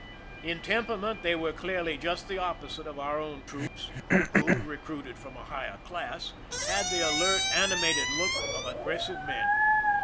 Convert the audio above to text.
In temperament they were clearly just the opposite of our own troops, who, recruited from a higher class, had the alert, animated look of aggressive men.